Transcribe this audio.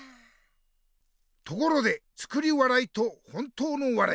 ところで「作り笑い」と「本当の笑い」